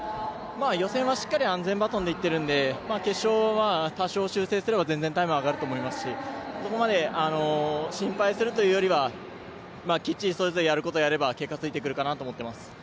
予選はしっかり安全バトンでいってるので決勝は多少修正すればタイムは上がると思いますし心配するというよりはきっちり、それぞれやることやれば結果がついてくるかなと思ってます。